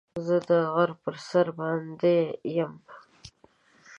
زه د غره په سر باندې يم.